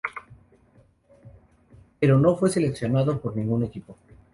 Pero no fue seleccionado por ningún equipo.